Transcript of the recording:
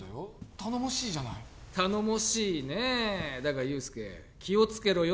頼もしいじゃない頼もしいねえだが憂助気をつけろよ